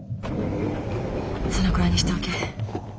そのくらいにしておけ。